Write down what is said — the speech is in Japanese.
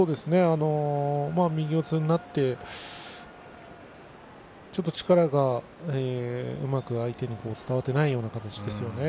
右四つになってちょっと力がうまく相手に伝わっていない感じですよね。